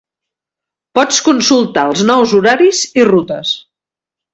Pots consultar els nous horaris i rutes.